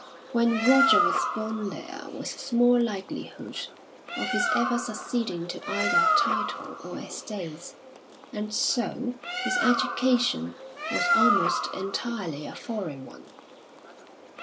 When Roger was born there was small likelihood of his ever succeeding to either title or estates, and so his education was almost entirely a foreign one.